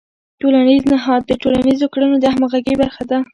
ټولنیز نهاد د ټولنیزو کړنو د همغږۍ برخه ده.